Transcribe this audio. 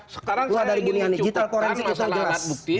sekarang saya ingin mencukupkan masalah alat bukti